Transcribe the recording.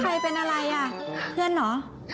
ใครเป็นอะไรอ่ะเพื่อนเหรอ